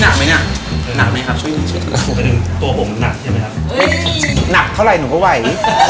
โอ้โหหใหญ่เป็นเรายังได้อ๋อจริงป่ะเนี่ย